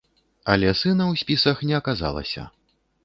Але сына ў спісах не аказалася.